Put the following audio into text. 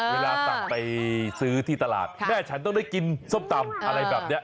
เวลาสั่งไปซื้อที่ตลาดแม่ฉันต้องได้กินส้มตำอะไรแบบนี้